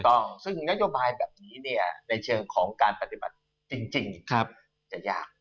ถูกต้องซึ่งนโยบายแบบนี้เนี่ยในเชิงของการปฏิบัติจริงจะยาก